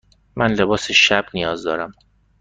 من لباس شب نیاز دارم.